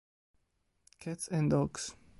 Cats and Dogs